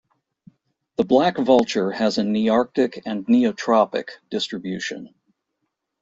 The black vulture has a Nearctic and Neotropic distribution.